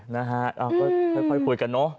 เราก็ค่อยคุยกันเนอะ